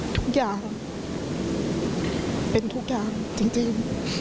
ทุกอย่างเป็นทุกอย่างจริง